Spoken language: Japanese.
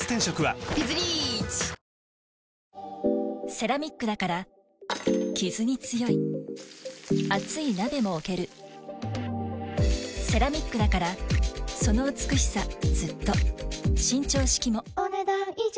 セラミックだからキズに強い熱い鍋も置けるセラミックだからその美しさずっと伸長式もお、ねだん以上。